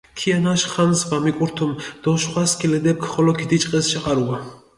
ქიანაშ ხანს ვამიკურთუმჷ დო შხვა სქილედეფქ ხოლო ქიდიჭყეს შაყარუა.